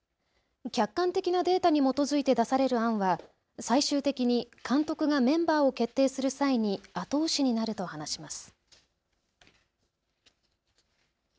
客観的なデータに基づいて出される案は最終的に監督がメンバーを決定する際に後押しになると話します。